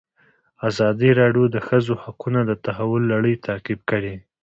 ازادي راډیو د د ښځو حقونه د تحول لړۍ تعقیب کړې.